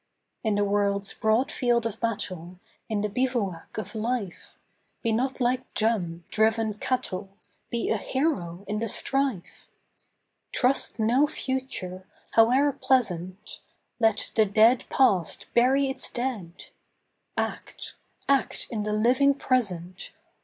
In the world's broad field of battle, In the bivouac of Life, Be not like dumb, driven cattle ! Be a hero in the strife ! Trust no Future, howe'er pleasant ! Let the dead Past bury its dead ! Act, — act in the living Present